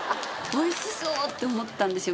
美味しそうって思ったんですよ